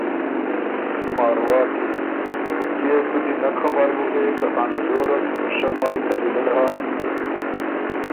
مارواتی: کيې تُو دی نک خبر بُکې که ا نژور ات ته شۀ مای قبیلۀ زر هۀ؟